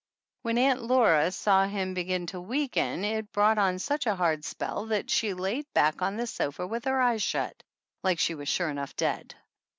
When Aunt Laura saw him begin to weaken it brought on such a hard spell that she laid back on the sofa with her eyes shut, like she was sure enough dead.